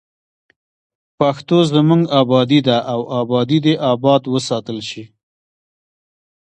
پښتو زموږ ابادي ده او ابادي دې اباد وساتل شي.